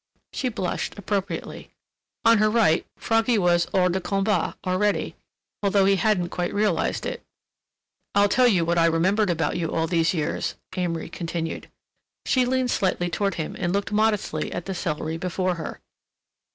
She blushed appropriately. On her right Froggy was hors de combat already, although he hadn't quite realized it. "I'll tell you what I remembered about you all these years," Amory continued. She leaned slightly toward him and looked modestly at the celery before her.